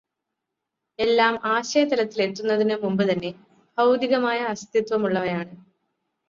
എല്ലാം ആശയതലത്തിലെത്തുന്നതിനു മുമ്പു തന്നേ ഭൗതികമായ അസ്തിത്വമുള്ളവയാണ്.